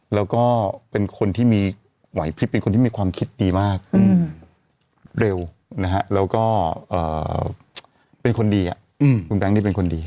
แล้วก็เป็นคนที่มีไหวพลิบเป็นคนที่มีความคิดดีมากเร็วนะฮะแล้วก็เป็นคนดีคุณแบงค์นี่เป็นคนดี